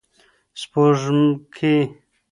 سپوږکۍ